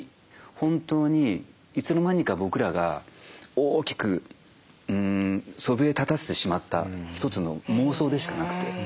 本当にいつの間にか僕らが大きくそびえ立たせてしまった一つの妄想でしかなくて。